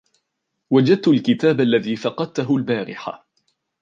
وجدت الكتاب الذي فقدته البارحة.